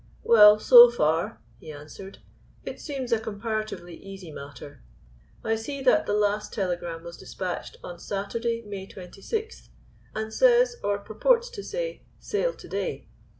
"Well, so far," he answered, "it seems a comparatively easy matter. I see that the last telegram was dispatched on Saturday, May 26th, and says, or purports to say, 'sail to day.